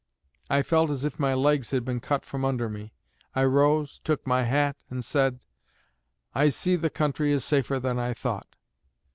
I felt as if my legs had been cut from under me. I rose, took my hat, and said, 'I see the country is safer than I thought.'